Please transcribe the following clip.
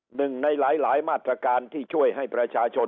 หนึ่งในหลายมาตรการที่ช่วยให้ประชาชน